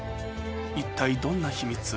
一体どんな秘密？